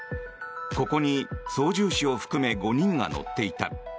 ここに操縦士を含め５人が乗っていた。